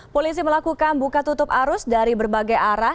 polisi melakukan buka tutup arus dari berbagai arah